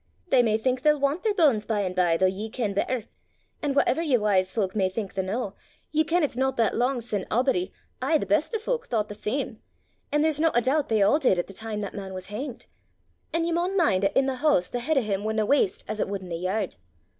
They may think they'll want their banes by an' by though ye ken better; an' whatever ye wise folk may think the noo, ye ken it's no that lang sin' a'body, ay, the best o' folk, thoucht the same; an' there's no a doobt they a' did at the time that man was hangt. An' ye maun min' 'at i' the hoose the heid o' 'im wudna waste as it wud i' the yerd!"